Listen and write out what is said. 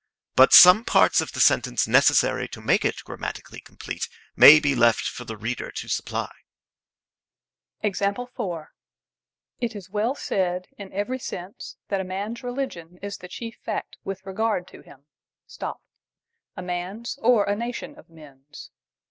But some parts of the sentence necessary to make it grammatically complete may be left for the reader to supply. It is well said, in every sense, that a man's religion is the chief fact with regard to him. A man's or a nation of men's.